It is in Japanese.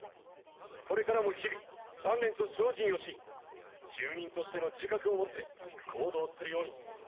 これからも日々鍛錬と精進をし中忍としての自覚を持って行動するように。